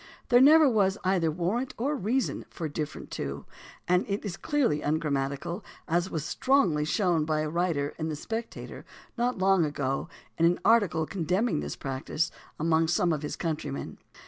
There never was either warrant or reason for "different to" and it is clearly ungrammatical, as was strongly shown by a writer in the Spectator not long since in an article condemning this practice among some of his countrymen.